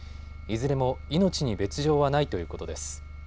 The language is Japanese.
いずれも命に別状はないということです。